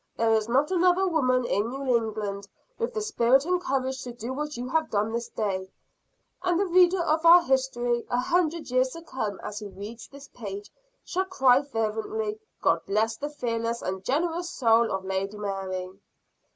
There is not another woman in New England with the spirit and courage to do what you have done this day and the reader of our history a hundred years to come, as he reads this page, shall cry fervently, God bless the fearless and generous soul of Lady Mary!"